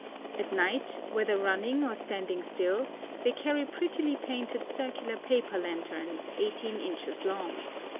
At night, whether running or standing still, they carry prettily painted circular paper lanterns 18 inches long.